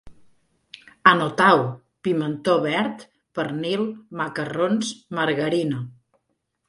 Anotau: pimentó verd, pernil, macarrons, margarina